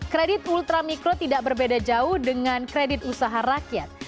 kredit ultramikro tidak berbeda jauh dengan kredit usaha rakyat